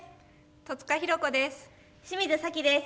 戸塚寛子です。